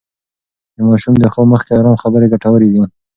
د ماشوم د خوب مخکې ارام خبرې ګټورې دي.